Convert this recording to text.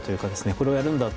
これをやるんだ。